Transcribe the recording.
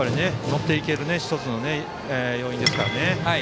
乗っていける１つの要因ですからね。